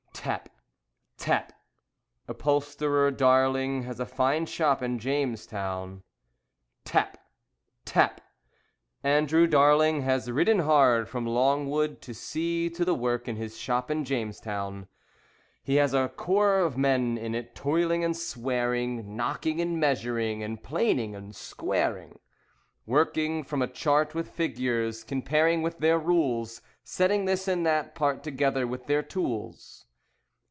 Tap! Tap! Upholsterer Darling has a fine shop in Jamestown. Tap! Tap! Andrew Darling has ridden hard from Longwood to see to the work in his shop in Jamestown. He has a corps of men in it, toiling and swearing, Knocking, and measuring, and planing, and squaring, Working from a chart with figures, Comparing with their rules, Setting this and that part together with their tools.